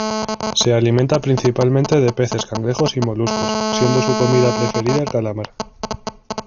Se alimenta principalmente de peces, cangrejos y moluscos, siendo su comida preferida el calamar.